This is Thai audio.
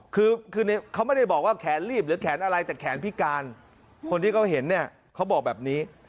คือเขาไม่ได้บอกว่าแขนรีบหรือแขนอะไรแต่แขนพิการคนที่เขาเห็นเนี่ยเขาบอกแบบนี้